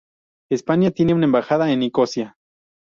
España tiene una embajada en Nicosia.